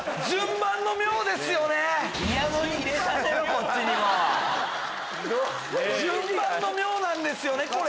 順番の妙ですよね！